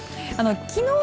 きのう